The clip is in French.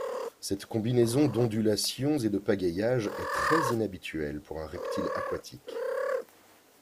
Cette combinaison d'ondulations et de pagayage est très inhabituelle pour un reptile aquatique.